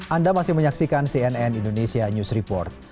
anda masih menyaksikan cnn indonesia news report